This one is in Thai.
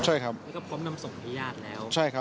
แล้วก็พร้อมนำส่งให้ญาติแล้ว